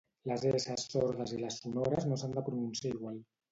Les esses sordes i les sonores no s'han de pronunciar igual